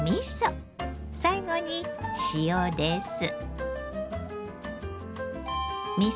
最後に塩です。